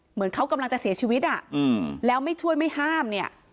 เหมือนเขากำลังจะเสียชีวิตอ่ะแล้วไม่ช่วยไม่ห้ามเนี่ย